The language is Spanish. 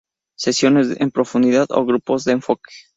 Sesiones en profundidad o grupos de enfoque.